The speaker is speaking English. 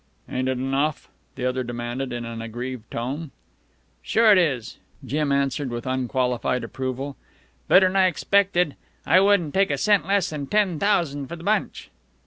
"Ain't it enough?" the other demanded in an aggrieved tone. "Sure it is," Jim answered with unqualified approval. "Better'n I expected. I wouldn't take a cent less than ten thousan' for the bunch."